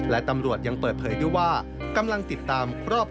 และตำรวจยังเปิดเผยด้วยว่ากำลังติดตามครอบครัว